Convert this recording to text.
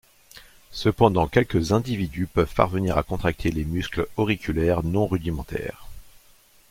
Cependant quelques individus peuvent parvenir à contracter les muscles auriculaires non rudimentaires.